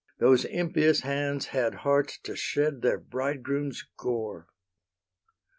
Those impious hands had hearts to shed Their bridegrooms' gore!